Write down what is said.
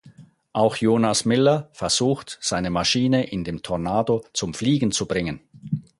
Auch Jonas Miller versucht, seine Maschine in dem Tornado „zum Fliegen zu bringen“.